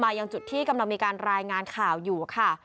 ยังจุดที่กำลังมีการรายงานข่าวอยู่ค่ะ